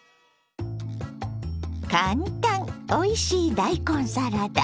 簡単おいしい大根サラダ。